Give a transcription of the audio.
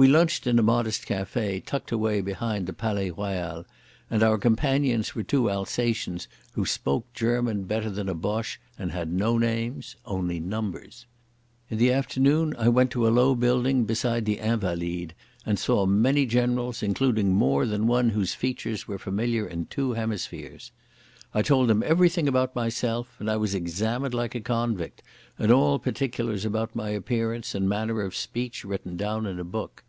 We lunched in a modest café tucked away behind the Palais Royal, and our companions were two Alsatians who spoke German better than a Boche and had no names—only numbers. In the afternoon I went to a low building beside the Invalides and saw many generals, including more than one whose features were familiar in two hemispheres. I told them everything about myself, and I was examined like a convict, and all particulars about my appearance and manner of speech written down in a book.